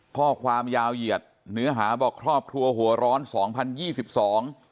ข้อความยาวเหยียดเนื้อหาบอกครอบครัวหัวร้อนสองพันยี่สิบสอง